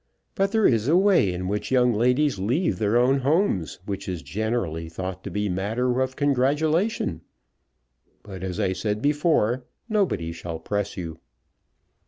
But there is a way in which young ladies leave their own homes, which is generally thought to be matter of congratulation. But, as I said before, nobody shall press you."